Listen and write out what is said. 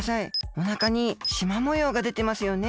おなかにしまもようがでてますよね。